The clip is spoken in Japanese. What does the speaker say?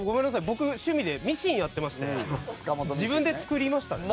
僕趣味でミシンやってまして自分で作りましたね。